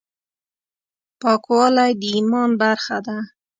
پاکوالی د ایمان برخه ده.